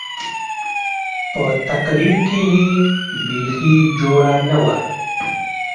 په تقرير کښې يې بيخي جوړه نه وه.